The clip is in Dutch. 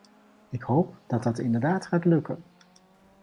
Ik hoop dat dat inderdaad gaat lukken.